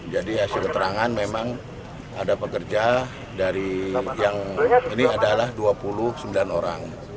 jadi hasil keterangan memang ada pekerja dari yang ini adalah dua puluh sembilan orang